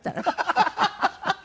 ハハハハ。